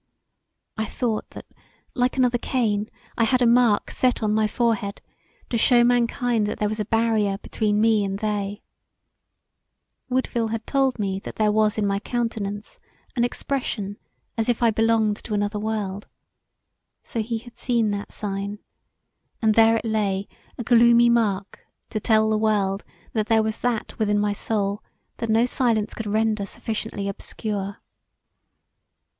I thought that like another Cain, I had a mark set on my forehead to shew mankind that there was a barrier between me and they. Woodville had told me that there was in my countenance an expression as if I belonged to another world; so he had seen that sign: and there it lay a gloomy mark to tell the world that there was that within my soul that no silence could render sufficiently obscure.